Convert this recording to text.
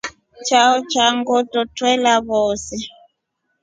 Chao cha ngʼoto twelya vozee.